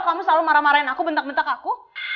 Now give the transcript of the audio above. kamu selalu marah marahin aku bentak bentak aku